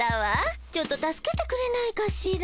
ちょっと助けてくれないかしら。